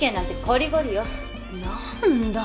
何だ。